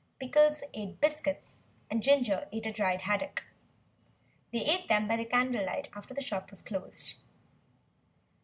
Pickles ate biscuits and Ginger ate a dried haddock. They ate them by candle light after the shop was closed.